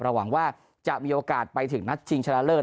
หวังว่าจะมีโอกาสไปถึงนัดชิงชนะเลิศ